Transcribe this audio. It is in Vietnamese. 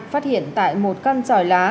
phát hiện tại một căn tròi lá